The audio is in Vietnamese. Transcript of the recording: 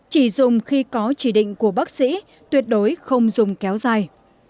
chỉ dùng khi có chỉ định của bác sĩ tuyệt đối không dùng kéo dài